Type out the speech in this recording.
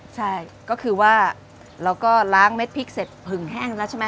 ใช่ก็คือว่าเราก็ล้างเม็ดพริกเสร็จผึ่งแห้งแล้วใช่ไหม